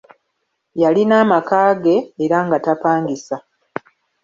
Yalina amaka ge, era nga tapangisa.